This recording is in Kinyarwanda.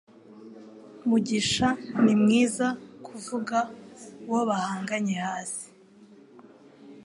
Mugisha ni mwiza kuvuga uwo bahanganye hasi